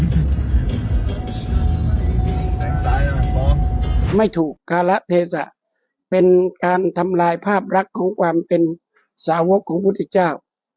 ไม่ถูกไม่ถูกการะเทศะเป็นการทำลายภาพรักของความเป็นสาวกของพุทธเจ้า